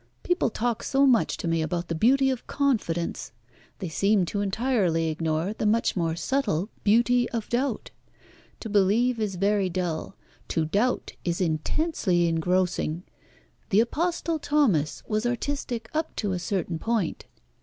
People talk so much to me about the beauty of confidence. They seem to entirely ignore the much more subtle beauty of doubt. To believe is very dull. To doubt is intensely engrossing. The Apostle Thomas was artistic up to a certain point.